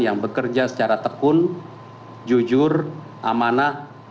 yang bekerja secara tekun jujur amanah